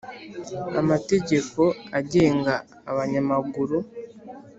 amategeko agenga abanyamaguru